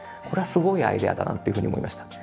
これはすごいアイデアだなっていうふうに思いました。